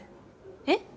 えっ？